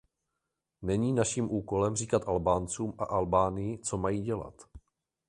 Není naším úkolem říkat Albáncům a Albánii, co mají dělat.